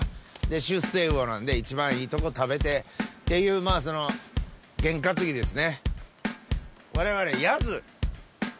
出世魚なんで一番いいとこ食べてっていう験担ぎですね。